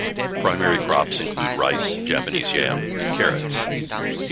Primary crops include rice, Japanese yam and carrots.